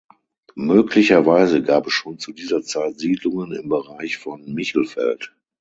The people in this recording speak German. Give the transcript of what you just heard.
Möglicherweise gab es schon zu dieser Zeit Siedlungen im Bereich von Michelfeld.